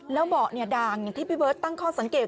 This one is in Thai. แล้วหมอกนี่ด่างอย่างที่พี่เบิร์ตตั้งคอสังเกต